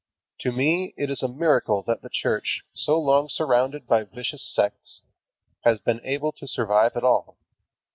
To me it is a miracle that the Church, so long surrounded by vicious sects, has been able to survive at all.